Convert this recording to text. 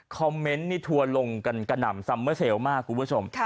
คอมเมนต์นี่ทัวร์ลงกันกระหน่ำซัมเมอร์เซลล์มากคุณผู้ชม